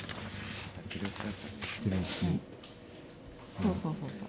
そうそうそうそう。